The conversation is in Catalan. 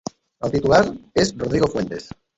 El titular és Rodrigo Fuentes.